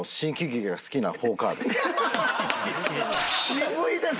渋いです。